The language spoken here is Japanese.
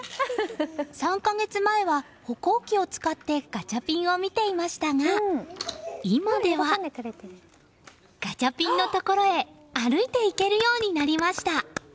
３か月前は歩行器を使ってガチャピンを見ていましたが今ではガチャピンのところへ歩いていけるようになりました。